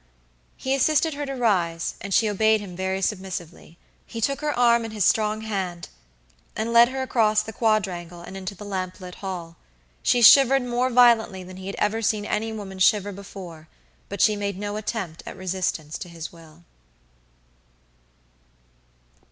He assisted her to rise, and she obeyed him very submissively. He took her arm in his strong hand and led her across the quadrangle and into the lamp lit hall. She shivered more violently than he had ever seen any woman shiver before, but she made no attempt at resistance to his will.